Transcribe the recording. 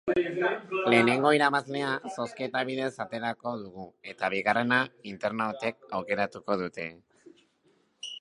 Lehenengo irabazlea zozketa bidez aterako dugu, eta bigarrena internautek aukeratuko dute.